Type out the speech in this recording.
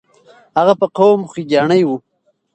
هغه په قوم خوګیاڼی وو.